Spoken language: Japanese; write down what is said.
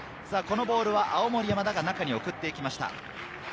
このボールは青森山田が中に送っていきました。